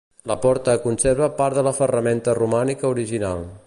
La porta conserva part de la ferramenta romànica original.